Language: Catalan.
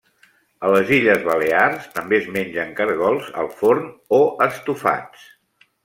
A les illes Balears també es mengen caragols, al forn o estofats.